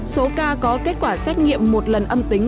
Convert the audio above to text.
số ca có kết quả xét nghiệm một lần âm tính